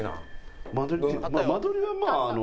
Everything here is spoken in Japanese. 間取りはまああの。